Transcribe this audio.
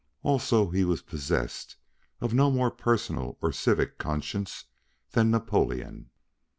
Also, he was possessed of no more personal or civic conscience than Napoleon.